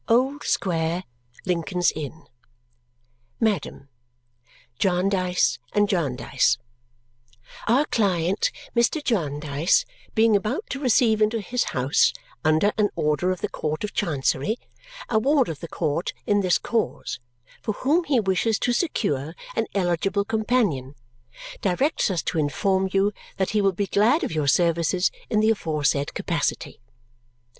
Old Square, Lincoln's Inn Madam, Jarndyce and Jarndyce Our clt Mr. Jarndyce being abt to rece into his house, under an Order of the Ct of Chy, a Ward of the Ct in this cause, for whom he wishes to secure an elgble compn, directs us to inform you that he will be glad of your serces in the afsd capacity.